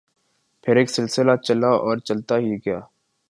پھر ایک سلسلہ چلا اور چلتا ہی گیا۔